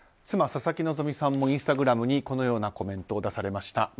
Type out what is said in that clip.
妻・佐々木希さんもインスタグラムにこのようなコメントを出されました。